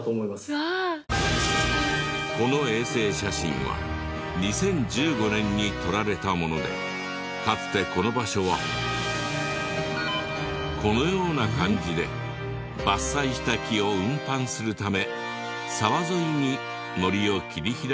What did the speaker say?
この衛星写真は２０１５年に撮られたものでかつてこの場所はこのような感じで伐採した木を運搬するため沢沿いに森を切り開いていた。